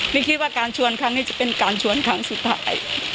ไม่คิดว่าการชวนครั้งนี้จะเป็นการชวนครั้งสุดท้าย